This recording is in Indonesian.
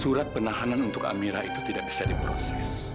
surat penanganan untuk amira itu tidak bisa diberikan oleh pak wisnu